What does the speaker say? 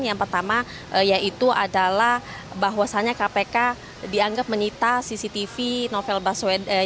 yang pertama yaitu adalah bahwasannya kpk dianggap menyita cctv novel baswedan